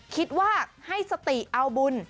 คิดว่าให้สติเอาบุญ